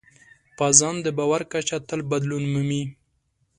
په ځان د باور کچه تل بدلون مومي.